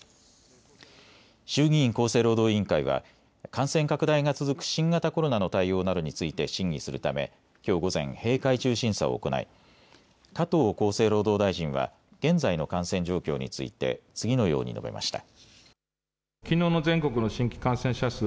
衆議院厚生労働委員会は感染拡大が続く新型コロナの対応などについて審議するためきょう午前、閉会中審査を行い、加藤厚生労働大臣は現在の感染状況について次のように述べました。